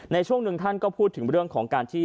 ในช่วงหนึ่งท่านก็พูดถึงเรื่องของการที่